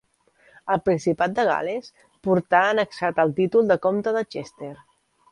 El Principat de Gal·les portà annexat el títol de comte de Chester.